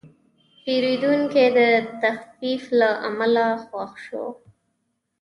پیرودونکی د تخفیف له امله خوښ شو.